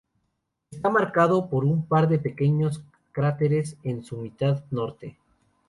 Está marcado por un par de pequeños cráteres en su mitad norte.